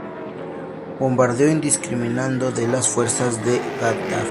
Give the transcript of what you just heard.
Bombardeo indiscriminado de las fuerzas de Gaddafi.